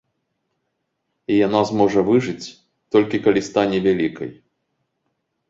І яна зможа выжыць, толькі калі стане вялікай.